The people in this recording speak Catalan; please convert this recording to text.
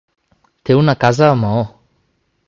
Té una casa a Maó.